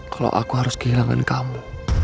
kalau aku harus kehilangan kamu